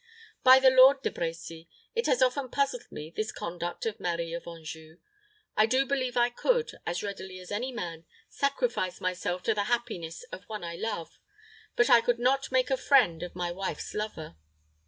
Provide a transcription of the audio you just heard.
By the Lord, De Brecy, it has often puzzled me, this conduct of Marie of Anjou. I do believe I could, as readily as any man, sacrifice myself to the happiness of one I love; but I could not make a friend of my wife's lover.